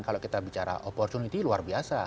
kalau kita bicara opportunity luar biasa